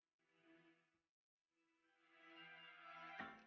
saya ingin kul width dia